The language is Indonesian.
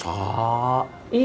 saya cari ke posisi